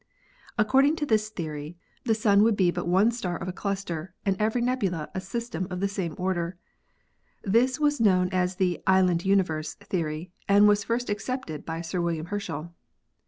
Ac cording to this theory, the Sun would be but one star of a cluster and every nebula a system of the same order. This was known as the "island universe" theory and was first accepted by Sir William Herschel.